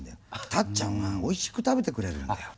たっちゃんがおいしく食べてくれるんだよ。